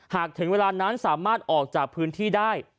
ถึงเวลานั้นสามารถออกจากพื้นที่ได้